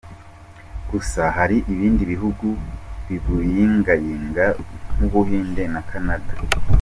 Gusa hari ibindi bihugu bibuyingayinga nk’u Buhinde na Canada.